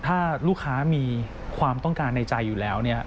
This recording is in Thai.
ถ้าลูกค้ามีความต้องการในใจอยู่แล้วเนี่ย